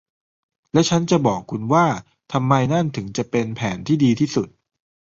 และฉันจะบอกคุณว่าทำไมนั่นถึงจะเป็นแผนที่ดีที่สุด